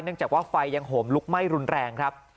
จากว่าไฟยังโหมลุกไหม้รุนแรงครับ